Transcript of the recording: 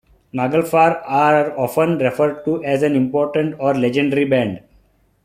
Nagelfar are often referred to as an important or legendary band.